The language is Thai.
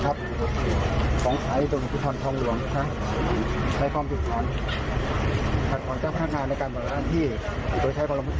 โดยใช้กำลังประทุสรายกรณีที่เข้าไปช่วยเหลือขัดขวางเจ้าหน้าที่